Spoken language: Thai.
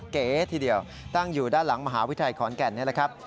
เก๋ทีเดียวตั้งอยู่ด้านหลังมหาวิทยาลัยขอนแก่นนี่แหละครับ